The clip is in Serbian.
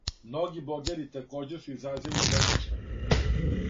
Многи блогери такође су изразили своје мишљење.